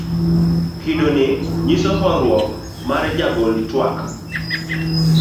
kido ni nyiso horuok mar jagol twak